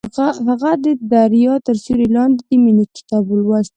هغې د دریا تر سیوري لاندې د مینې کتاب ولوست.